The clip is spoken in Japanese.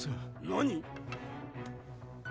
何！？